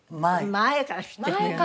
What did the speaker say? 前から知ってるのよね。